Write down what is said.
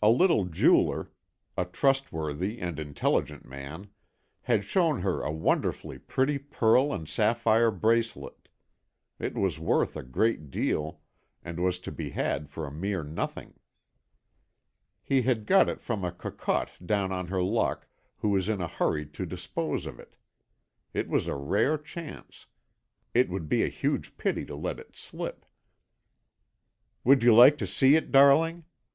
A little jeweller, a trustworthy and intelligent man, had shown her a wonderfully pretty pearl and sapphire bracelet; it was worth a great deal, and was to be had for a mere nothing. He had got it from a cocotte down on her luck, who was in a hurry to dispose of it. It was a rare chance; it would be a huge pity to let it slip. "Would you like to see it, darling?